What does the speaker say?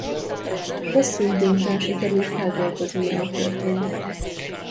Hosszú idő után sikerült feldolgoznia a történteket.